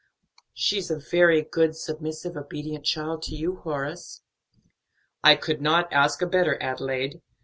"She is a very good, submissive, obedient child to you, Horace." "I could not ask a better, Adelaide.